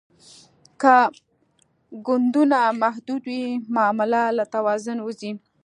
که ګوندونه محدود وي معامله له توازن وځي